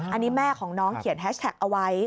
อันนี้แม่ของน้องเขียนแฮชแท็กเอาไว้